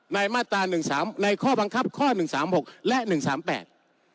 มาตราหนึ่งสามในข้อบังคับข้อหนึ่งสามหกและหนึ่งสามแปด